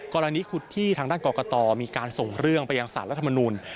กรณีขุดที่ทางด้านกรกตมีการส่งเรื่องไปยังสารรัฐมนูล